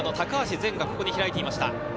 善がここに開いていました。